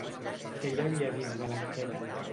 Què hi havia dins de l'arqueta?